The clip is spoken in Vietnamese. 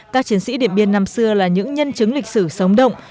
các chiến sĩ điện biên năm xưa là những nhân chứng lịch sử sống động